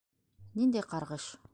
Ниндәй ҡарғыш?